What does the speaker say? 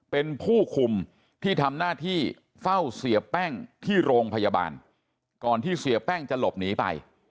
เป็นผู้คุมที่ทำหน้าที่เฝ้าเสียแป้งที่โรงพยาบาลก่อนที่เสียแป้งจะหลบหนีไป